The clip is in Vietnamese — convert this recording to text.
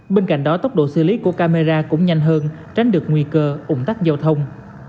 bên cạnh đó tốc độ xử lý của camera cũng nhanh hơn tránh được nguy cơ ủng tắc giao thông